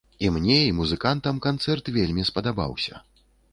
І мне, і музыкантам канцэрт вельмі спадабаўся!